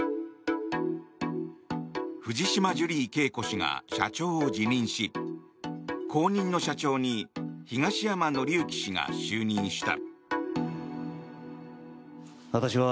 藤島ジュリー景子氏が社長を辞任し後任の社長に東山紀之氏が就任した。